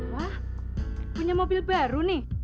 wah punya mobil baru nih